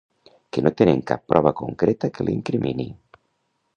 Que no tenen cap prova concreta que l'incrimini.